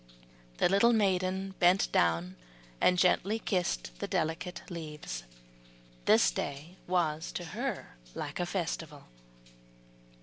The little maiden bent down and gently kissed the delicate leaves. This day was to her like a festival.